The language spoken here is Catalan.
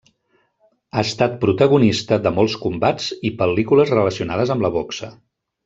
Ha estat protagonista de molts combats i pel·lícules relacionades amb la boxa.